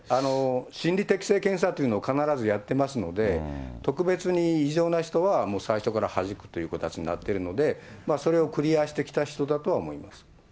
心理適性検査というのを必ずやってますので、特別に異常な人は、もう最初からはじくという形になっているので、それをクリアしてきた人だとは思います。